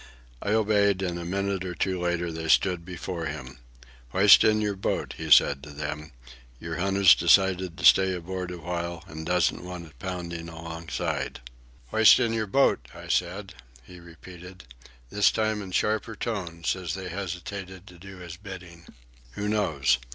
I obeyed, and a minute or two later they stood before him. "Hoist in your boat," he said to them. "Your hunter's decided to stay aboard awhile and doesn't want it pounding alongside." "Hoist in your boat, I said," he repeated, this time in sharper tones as they hesitated to do his bidding. "Who knows?